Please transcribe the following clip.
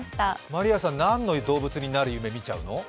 まりあさん、何の動物になる夢見ちゃうの？